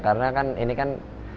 karena kan ini kan